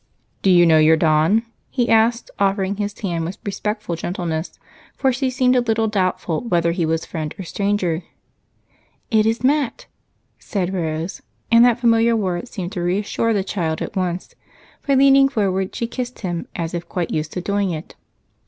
"Do you know your Don?" he asked, offering his hand with respectful gentleness, for she seemed a little doubtful whether he was a friend or stranger. "It is 'Mat,'" said Rose, and that familiar word seemed to reassure the child at once, for, leaning forward, she kissed him as if quite used to doing it.